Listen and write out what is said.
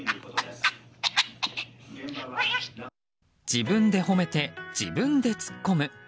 自分で褒めて自分でツッコむ。